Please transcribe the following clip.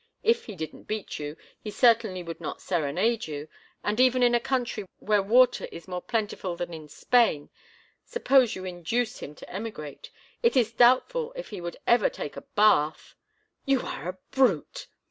If he didn't beat you, he certainly would not serenade you; and even in a country where water is more plentiful than in Spain—suppose you induced him to emigrate—it is doubtful if he would ever take a bath—" "You are a brute!"